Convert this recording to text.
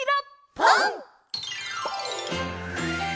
「ぽん」！